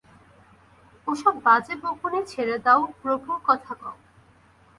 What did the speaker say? ওসব বাজে বুকনি ছেড়ে দাও, প্রভুর কথা কও।